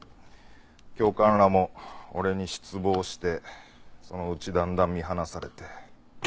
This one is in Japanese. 教官らも俺に失望してそのうちだんだん見放されて。